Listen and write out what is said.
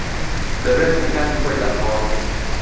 دەبێت لە کاتی خۆیدا تەواو بکەین.